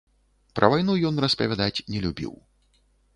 Пра вайну ён распавядаць не любіў.